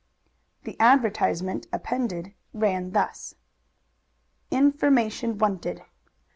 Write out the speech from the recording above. The advertisement appended ran thus: INFORMATION WANTED.